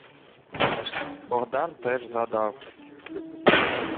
Богдан теж згадав: